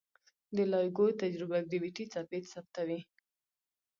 د لایګو تجربه ګرویتي څپې ثبتوي.